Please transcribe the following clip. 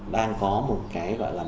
đang có một cái gọi là